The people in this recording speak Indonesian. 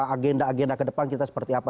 agenda agenda kedepan kita seperti apa